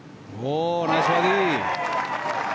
ナイスバーディー。